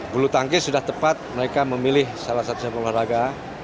bulu tangkis sudah tepat mereka memilih salah satu cabang olahraga